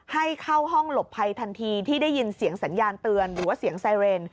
ให้เข้าห้องหลบภัยทันทีที่ได้ยินเสียงสัญญาณเตือนหรือว่าเสียงไซเรน